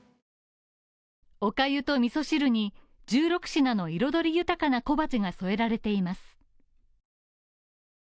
おかゆとみそ汁に、１６品の彩り豊かな小鉢が添えられています。